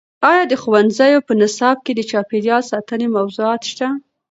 ایا د ښوونځیو په نصاب کې د چاپیریال ساتنې موضوعات شته؟